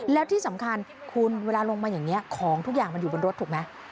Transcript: แล้วที่สำคัญคุณเวลาลงมาอย่างนี้ของทุกอย่างมันอยู่บนรถถูกไหม